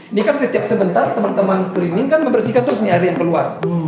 ini kan setiap sebentar teman teman keliling kan membersihkan terus nih air yang keluar